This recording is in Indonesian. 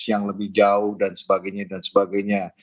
yang lebih jauh dan sebagainya dan sebagainya